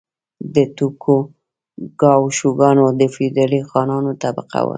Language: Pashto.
د توکوګاوا شوګانان د فیوډالي خانانو طبقه وه.